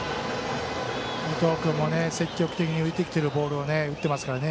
積極的に浮いてきているボールを打っていますからね